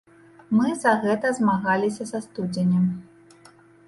Мы за гэта змагаліся са студзеня.